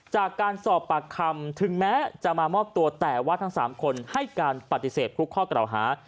จากการสอบปากคำถึงแม้จะมามอบตัวแต่ว่าทั้ง๓คนให้การปฏิเสธทุกข้อกล่าวหา